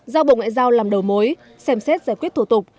giao bộ ngoại giao làm đầu mối xem xét giải quyết thủ tục